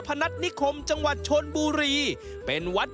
โปรดติดตามตอนต่อไป